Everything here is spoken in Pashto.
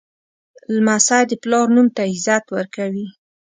لمسی د پلار نوم ته عزت ورکوي.